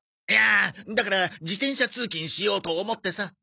いやだから自転車通勤しようと思ってさ。